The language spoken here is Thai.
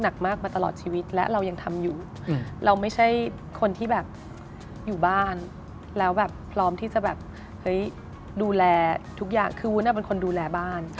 มาตลอดชีวิตและเรายังทำอยู่เราไม่ใช่คนที่แบบอยู่บ้านแล้วแบบพร้อมที่จะแบบเฮ้ยดูแลทุกอย่างคือวุ้นเป็นคนดูแลบ้าน